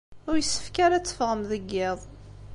Ur yessefk ara ad teffɣem deg yiḍ.